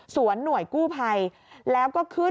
หน่วยกู้ภัยแล้วก็ขึ้น